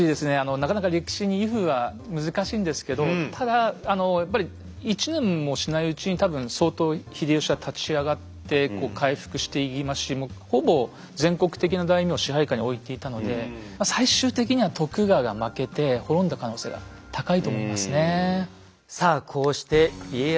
なかなか歴史にＩＦは難しいんですけどただやっぱり１年もしないうちに多分相当秀吉は立ち上がってこう回復していきますしもうほぼ全国的な大名を支配下に置いていたので最終的にはと思いますね。